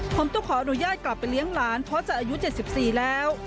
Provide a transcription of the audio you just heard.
ผมต้องขออนุญาตกลับไปเลี้ยงหลานเพราะจะอายุ๗๔แล้ว